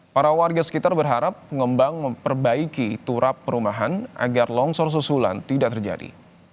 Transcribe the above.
para warga sekitar berharap pengembang memperbaiki turap perumahan agar longsor susulan tidak terjadi